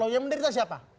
yang menderita siapa